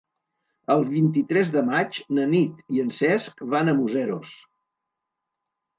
El vint-i-tres de maig na Nit i en Cesc van a Museros.